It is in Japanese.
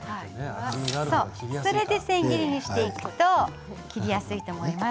それで千切りにしていくと切りやすいと思います。